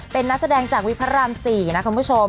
เป็นนักแสดงจากวิพระราม๔นะคุณผู้ชม